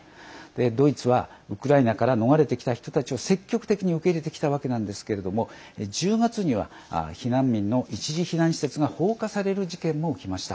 ドイツは、ウクライナから逃れてきた人たちを積極的に受け入れてきたわけなんですけれども１０月には避難民の一時避難施設が放火される事件も起きました。